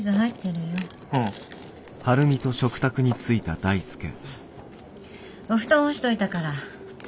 うん。お布団干しといたから。